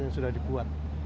yang sudah dibuat